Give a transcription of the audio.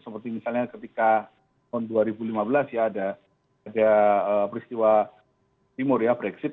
seperti misalnya ketika tahun dua ribu lima belas ya ada peristiwa timur ya brexit